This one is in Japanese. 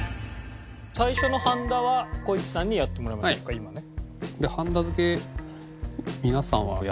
最初のはんだはこいちさんにやってもらいましょうか今ね。